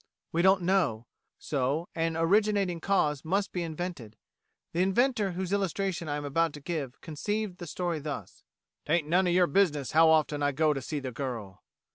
We don't know; so an originating cause must be invented. The inventor whose illustration I am about to give conceived the story thus: "'Taint none o' yer business how often I go to see the girl."